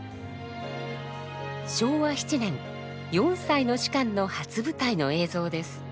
昭和７年４歳の芝の初舞台の映像です。